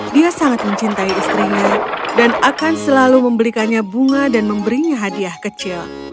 dia sangat mencintai istrinya dan akan selalu membelikannya bunga dan memberinya hadiah kecil